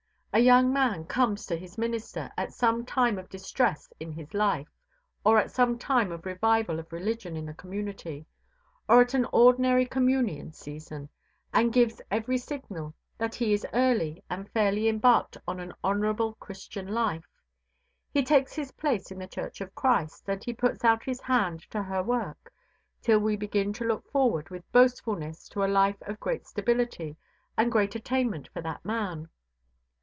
A young man comes to his minister at some time of distress in his life, or at some time of revival of religion in the community, or at an ordinary communion season, and gives every sign that he is early and fairly embarked on an honourable Christian life. He takes his place in the Church of Christ, and he puts out his hand to her work, till we begin to look forward with boastfulness to a life of great stability and great attainment for that man.